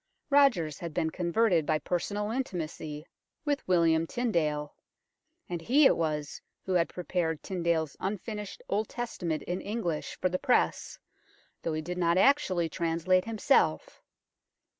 Rogers had been converted by personal in timacy with William Tyndale, and he it was who had prepared Tyndale 's unfinished Old Testament in English for the press, though he did not actually translate himself.